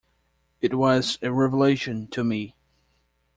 It was a revelation to me.